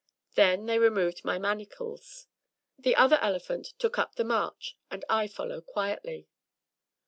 Then they removed my manacles; the other elephant took up the march, and I followed quietly.